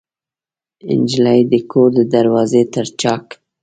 نجلۍ د کور د دروازې تر چاک